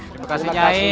terima kasih nyai